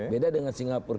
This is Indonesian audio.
beda dengan singapura